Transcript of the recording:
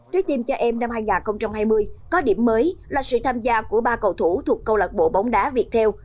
trái tim cho em năm hai nghìn hai mươi có điểm mới là sự tham gia của ba cầu thủ thuộc câu lạc bộ bóng đá việt theo